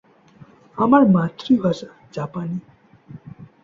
আমার মাতৃভাষা জাপানী।